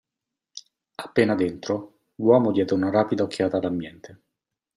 Appena dentro, l'uomo diede una rapida occhiata all'ambiente.